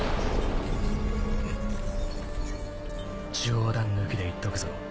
冗談抜きで言っとくぞ。